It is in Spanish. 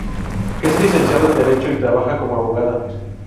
Es licenciada en Derecho y trabaja como abogada.